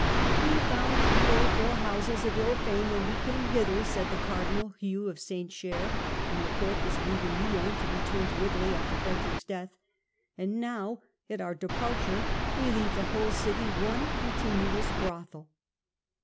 " We found three or four houses of ill fame when we came hither," said the Cardinal Hugh of St. Cher when the Court was leaving Lyons to return to Italy after Frederick's death ;" and now, at our departure, we leave the whole city one continuous brothel."